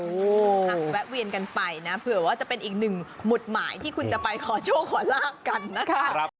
แวะเวียนกันไปนะเผื่อว่าจะเป็นอีกหนึ่งหมุดหมายที่คุณจะไปขอโชคขอลาบกันนะคะ